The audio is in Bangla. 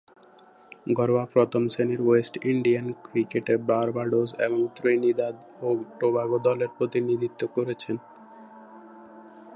ঘরোয়া প্রথম-শ্রেণীর ওয়েস্ট ইন্ডিয়ান ক্রিকেটে বার্বাডোস এবং ত্রিনিদাদ ও টোবাগো দলের প্রতিনিধিত্ব করেছেন।